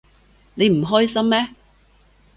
你唔開心咩？